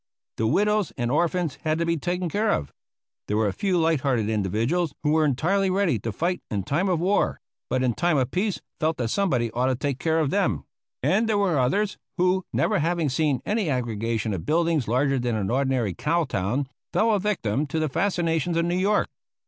The widows and orphans had to be taken care of. There were a few light hearted individuals, who were entirely ready to fight in time of war, but in time of peace felt that somebody ought to take care of them; and there were others who, never having seen any aggregation of buildings larger than an ordinary cow town, fell a victim to the fascinations of New York.